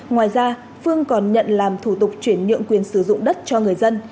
ngoài ra phương còn nhận làm thủ tục chuyển nhượng quyền sử dụng đất cho người dân